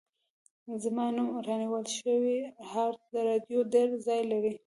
زما نوی رانیول شوی هارډ ډرایو ډېر ځای لري.